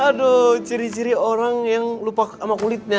aduh ciri ciri orang yang lupa sama kulitnya